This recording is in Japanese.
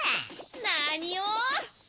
なにを！